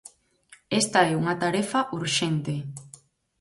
Esta é unha tarefa urxente.